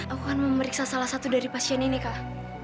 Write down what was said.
aku akan memeriksa salah satu dari pasien ini kak